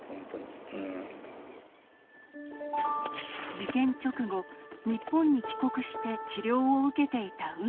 事件直後日本に帰国して治療を受けていた海野さん。